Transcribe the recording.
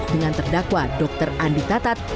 dengan terdakwa dr andi tatat